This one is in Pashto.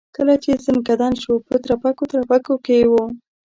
کله چې ځنکدن شو په ترپکو ترپکو کې و.